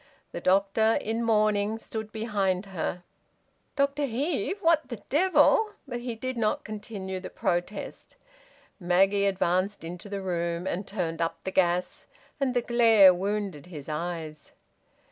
The doctor, in mourning, stood behind her. "Dr Heve? What the devil " But he did not continue the protest. Maggie advanced into the room and turned up the gas, and the glare wounded his eyes.